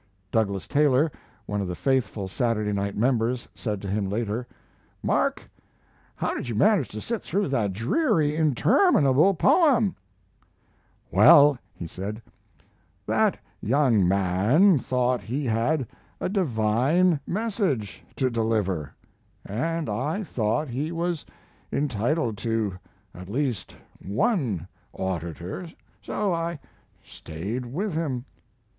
Douglas Taylor, one of the faithful Saturday night members, said to him later: "Mark, how did you manage to sit through that dreary, interminable poem?" "Well," he said, "that young man thought he had a divine message to deliver, and I thought he was entitled to at least one auditor, so I stayed with him."